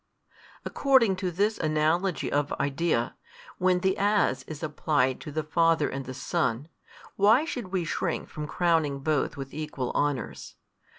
According to this analogy of idea, when the As is applied to the Father and the Son, why should we shrink from crowning Both with equal honours?